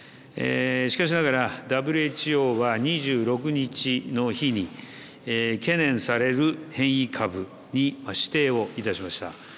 しかしながらＷＨＯは２６日の日に懸念される変異株に指定をいたしました。